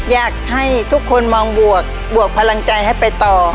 อยากให้ทุกคนมองบวกบวกพลังใจให้ไปต่อ